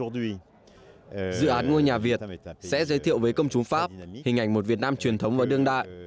dự án ngôi nhà việt sẽ giới thiệu với công chúng pháp hình ảnh một việt nam truyền thống và đương đại